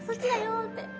って。